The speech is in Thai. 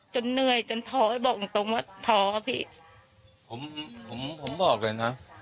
จนเหนื่อยจนทอบอกจริงตรงว่าทอพี่ผมผมผมบอกเลยนะ